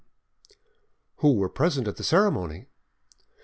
"Who were present at the ceremony?"